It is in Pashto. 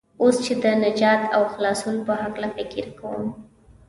اوس چې د نجات او خلاصون په هلکه فکر کوم.